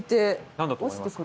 何だと思いますか？